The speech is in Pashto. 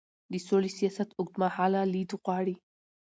د سولې سیاست اوږدمهاله لید غواړي